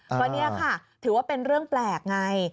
เพราะนี่ค่ะถือว่าเป็นเรื่องแปลกไง